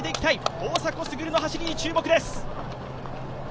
大迫傑の走りに注目です。